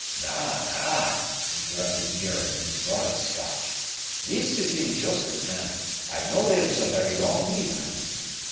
"Na, na," interrupted Muir in his broadest Scotch, "this is injustice, man. I've no' lived so very long, neither."